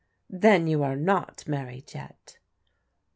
" Then you are not married yet?